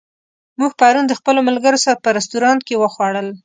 موږ پرون د خپلو ملګرو سره په رستورانت کې وخوړل.